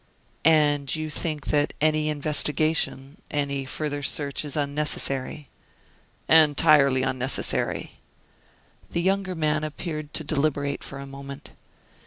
"And you think that any investigation any further search is unnecessary." "Entirely unnecessary." The younger man appeared to deliberate for a moment.